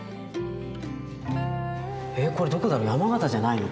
えこれどこだろう山形じゃないの？